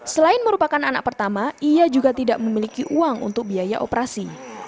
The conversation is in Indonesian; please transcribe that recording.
selain merupakan anak pertama ia juga tidak memiliki uang untuk biaya operasi